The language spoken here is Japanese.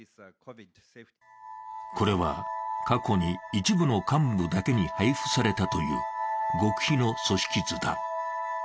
これは過去に一部の幹部だけに配布されたという極秘の組織図だ。